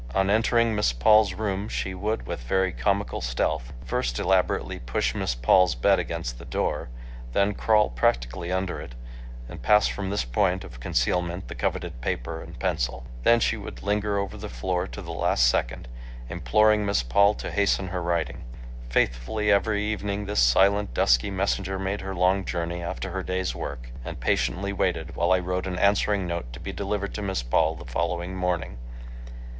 On entering Miss Paul's room she would, with very comical stealth, first elaborately push Miss Paul's bed against the door, then crawl practically under it, and pass from this point of concealment the coveted paper and pencil. Then she would linger over the floor to the last second, imploring Miss Paul to hasten her writing. Faithfully every evening this silent, dusky messenger made her long journey after her day's work, and patiently waited while I wrote an answering note to be delivered to Miss Paul the following morning.